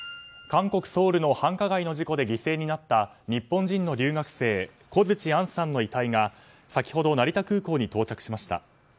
韓国ソウルの繁華街の事故で犠牲になった日本人の留学生小槌杏さんの遺体が先ほど成田空港に到着しました。